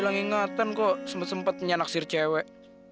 hilang ingatan kok sempet sempet punya naksir cewek